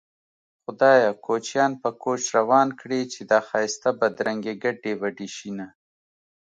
خدايه کوچيان په کوچ روان کړې چې دا ښايسته بدرنګې ګډې وډې شينه